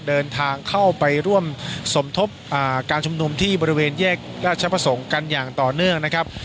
เดินทางเข้าไปร่วมสมทบการชุมนุมที่บริเวณแยกราชประสงค์กันอย่างต่อเนื่องนะครับ